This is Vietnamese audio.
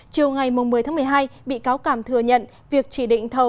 chiều ngày một mươi một mươi hai bị cáo cảm thừa nhận việc chỉ định thầu